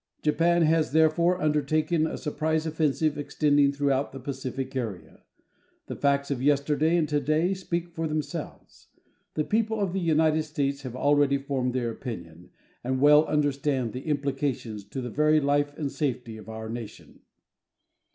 Japan has, therefore, undertaken a surprise offensive extending throughout the Pacific area. The facts of yesterday and today speak for themselves. The people of the United States have already formed their opinions and well understand the implications to the very life and safety of our nation.